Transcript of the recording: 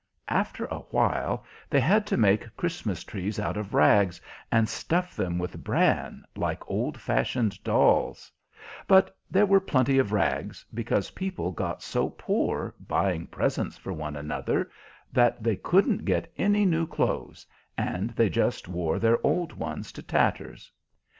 After a while they had to make Christmas trees out of rags, and stuff them with bran, like old fashioned dolls; but there were plenty of rags, because people got so poor, buying presents for one another, that they couldn't get any new clothes, and they just wore their old ones to tatters.